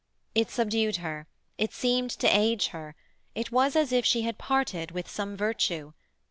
It subdued her, it seemed to age her, it was as if she had parted with some virtue.